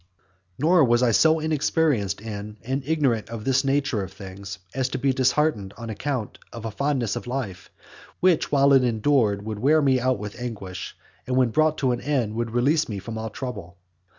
Nor was I so inexperienced in and ignorant of this nature of things, as to be disheartened on account of a fondness for life, which while it endured would wear me out with anguish, and when brought to an end would release me from all trouble.